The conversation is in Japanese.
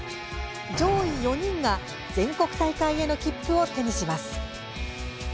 上位４人が全国大会への切符を手にします。